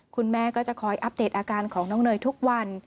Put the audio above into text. คุณแม่ก็จะคอยอัปเดตอาการของน้องเนยทุกวัน